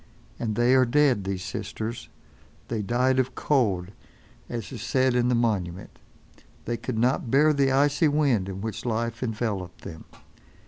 And they are dead, these sisters. They died of cold, as is said on the monument. They could not bear the icy wind in which life enveloped them.